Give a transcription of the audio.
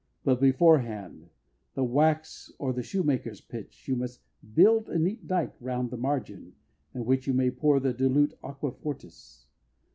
But beforehand, with wax or the shoemaker's pitch, You must build a neat dyke round the margin, in which You may pour the dilute aqua fortis.